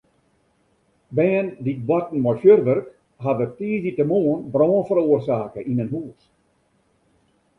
Bern dy't boarten mei fjurwurk hawwe tiisdeitemoarn brân feroarsake yn in hûs.